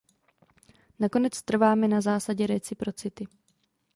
Nakonec trváme na zásadě reciprocity.